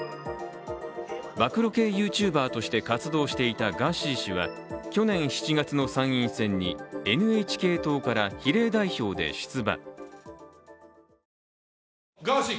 暴露系ＹｏｕＴｕｂｅｒとして活動していたガーシー氏は去年７月の参院選にＮＨＫ党から比例代表で出馬。